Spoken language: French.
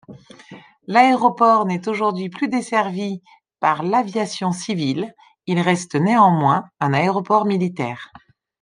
L'aéroport n'est aujourd'hui plus desservi par l'aviation civile, il reste néanmoins un aéroport militaire.